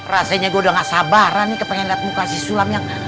rasanya gue udah gak sabaran nih kepengen lihat muka si sulam yang